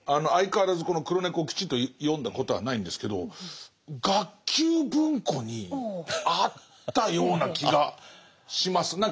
相変わらずこの「黒猫」をきちっと読んだことはないんですけど学級文庫にあったような気がします。